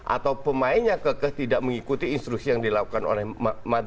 atau pemainnya kekeh tidak mengikuti instruksi yang dilakukan oleh madri